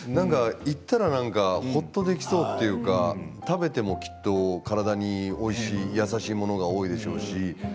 行ったらほっとできそうというか食べても、きっと体においしい優しいものが、多いでしょうし。